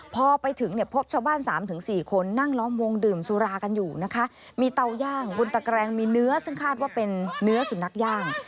พอไปถึงเนี่ยพบชาวบ้าน๓๔คนนั่งล้อมวงดื่มสุรากันอยู่นะคะมีเตาย่างบนตะแกรงมีเนื้อซึ่งคาดว่าเป็นเนื้อสุนัขย่าง